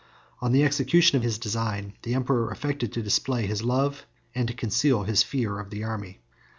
In the execution of his design, the emperor affected to display his love, and to conceal his fear of the army.